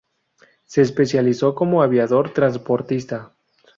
Se especializó como aviador transportista.